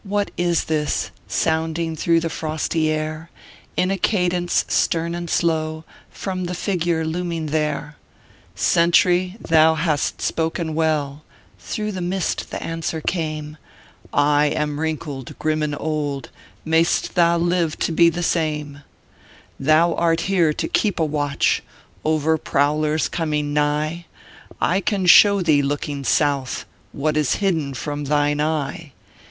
what is this Sounding through the frosty air, In a cadence stern and slow, From the figure looming there ! "Sentry, thou hast spoken well" Through the mist the answer came "I am wrinkled, grim, and old, May st thou live to be the same 1 "Thou art here to keep a watch Over prowlers coming nigh ; I can show thee, looking South, "What is hidden from thine eye.